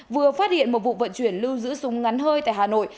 vừa phát hiện một vụ vận chuyển lưu giữ súng ngắn hơi tại hà nội